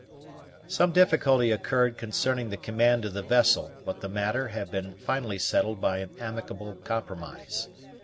Some difficulty occurred concerning the command of the vessel, but the matter had been finally settled by an amicable compromise.